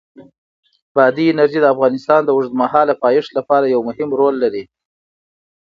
بادي انرژي د افغانستان د اوږدمهاله پایښت لپاره یو مهم رول لري.